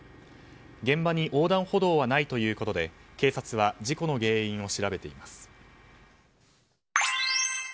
現場に横断歩道はないということで警察は事故の原因を調べています。